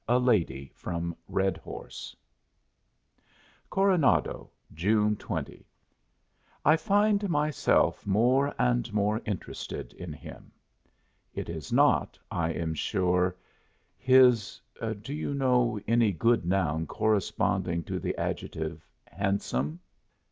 A LADY FROM REDHORSE CORONADO, JUNE 20. I find myself more and more interested in him. It is not, I am sure, his do you know any good noun corresponding to the adjective "handsome"?